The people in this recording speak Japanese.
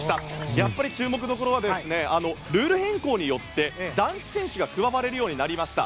やっぱり注目どころはルール変更によって男子選手が加われるようになりました。